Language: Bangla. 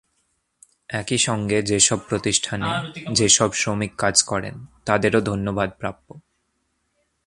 একই সঙ্গে সেসব প্রতিষ্ঠানে যেসব শ্রমিক কাজ করেন, তাঁদেরও ধন্যবাদ প্রাপ্য।